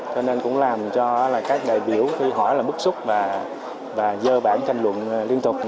cho nên cũng làm cho các đại biểu khi hỏi là bức xúc và dư bản tranh luận liên tục